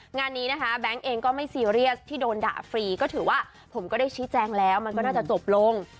งานนี้นะคะแบงค์เองก็ไม่ซีเรียสที่โดนด่าฟรีก็ถือว่าผมก็ได้ชี้แจงแล้วมันก็น่าจะจบลง